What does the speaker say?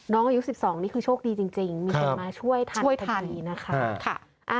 น้องอายุ๑๒นี่คือโชคดีจริงมีคนมาช่วยทันทันทีนะคะ